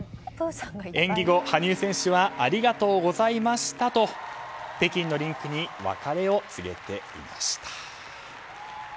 演技後、羽生選手はありがとうございましたと北京のリンクに別れを告げていました。